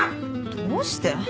どうして？